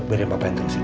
biarin papa yang terusin